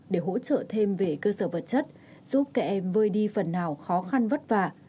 để hỗ trợ thêm về cơ sở vật chất giúp kèm vơi đi phần nào khó khăn vất vả